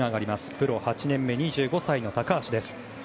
プロ８年目、２５歳の高橋です。